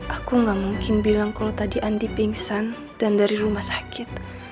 aku gak mungkin bilang kalau tadi andi pingsan dan dari rumah sakit